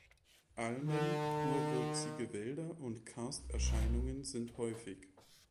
Almen, urwüchsige Wälder und Karsterscheinungen sind häufig.